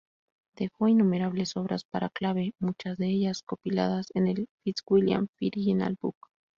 Dejó innumerables obras para clave, muchas de ellas compiladas en el "Fitzwilliam Virginal Book".